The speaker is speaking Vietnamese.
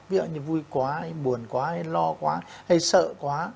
ví dụ như vui quá hay buồn quá hay lo quá hay sợ quá